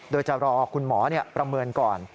โดยจะรอคุณหมอประเมินก่อน